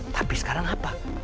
tapi sekarang apa